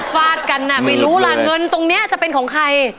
ฟาดกันน่ะไม่รู้ล่ะเงินตรงนี้จะเป็นของใคร